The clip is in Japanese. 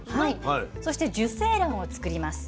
そして受精卵をつくります。